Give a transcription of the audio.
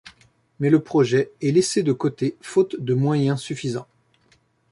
Mais le projet est laissé de côté faute de moyens suffisants.